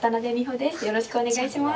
よろしくお願いします。